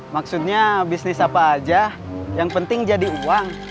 maksudnya bisnis apa aja yang penting jadi uang